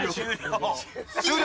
終了。